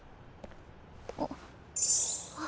あっ。